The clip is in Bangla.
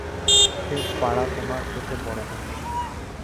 সে-পাড়া তোমার চোখে পড়ে না।